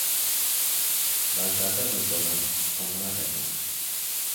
Les dates es donen com una regla.